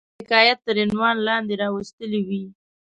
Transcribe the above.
د حکایت تر عنوان لاندي را وستلې وي.